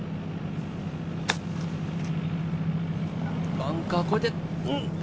バンカーを越えて。